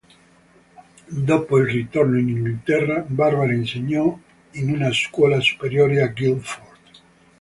Dopo il ritorno in Inghilterra, Barbara insegnò in una scuola superiore a Guildford.